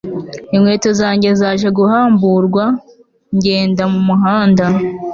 inkweto zanjye zaje guhamburwa ngenda mu muhanda